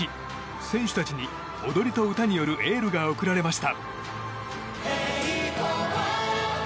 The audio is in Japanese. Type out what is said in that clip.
選手たちに踊りと歌によるエールが送られました。